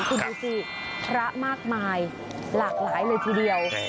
คุณดูสิพระมากมายหลากหลายเลยทีเดียว